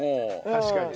確かに。